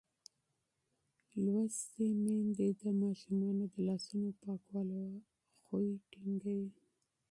تعلیم یافته میندې د ماشومانو د لاسونو پاکولو عادت ټینګوي.